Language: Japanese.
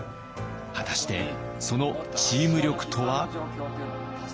果たしてそのチーム力とは？